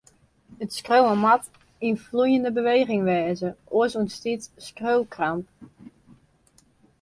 It skriuwen moat ien floeiende beweging wêze, oars ûntstiet skriuwkramp.